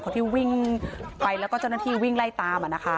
ที่วิ่งไปแล้วก็เจ้าหน้าที่วิ่งไล่ตาม